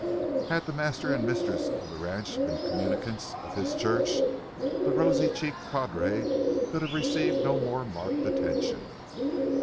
Had the master and mistress of the ranch been communicants of his church, the rosy cheeked padre could have received no more marked attention.